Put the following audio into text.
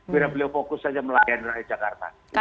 bila beliau fokus saja melayan rakyat jakarta